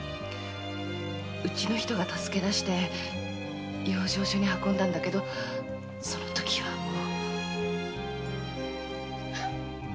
うちの人が助け出して養生所に運んだんだけどその時はもう。